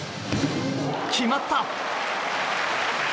決まった！